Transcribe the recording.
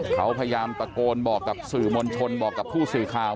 เขาพยายามตะโกนบอกกับสื่อมวลชนบอกกับผู้สื่อข่าว